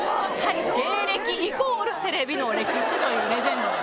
芸歴イコールテレビの歴史というレジェンドです。